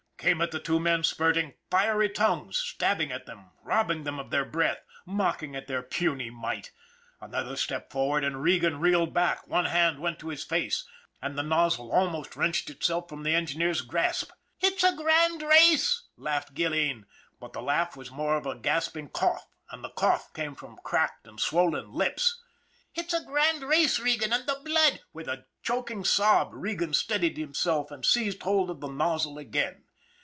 Came at the two men spurting, fiery tongues, stabbing at them, robbing them of their breath, mocking at their puny might. Another step forward and Regan reeled back, one THE BLOOD OF KINGS 205 hand went to his face and the nozzle almost wrenched itself from the engineer's grasp. " It's a grand race !" laughed Gilleen, but the laugh was more of a gasping cough, and the cough came from cracked and swollen lips. " It's a grand race, Regan; an' the blood " With a choking sob, Regan steadied himself and seized hold of the nozzle again.